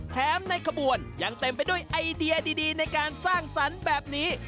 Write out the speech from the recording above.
ในขบวนยังเต็มไปด้วยไอเดียดีในการสร้างสรรค์แบบนี้